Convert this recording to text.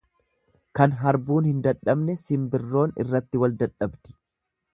Kan harbuun hin dadhabne simbirroon irratti wal dadhabdi.